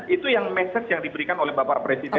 itu yang message yang diberikan oleh bapak presiden